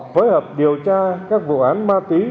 phối hợp điều tra các vụ án ma túy